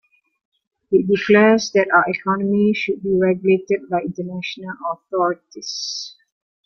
It declares that our economy should be regulated by international authorities.